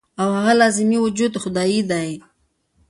او هغه لازمي وجود خدائے دے -